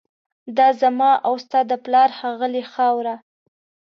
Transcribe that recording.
دا زما او ستا د پلار ښاغلې خاوره